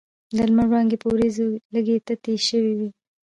د لمر وړانګې په وریځو کې لږ تتې شوې وې.